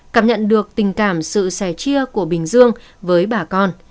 cảm nhận được tình cảm sự sẻ chia của bình dương với bà con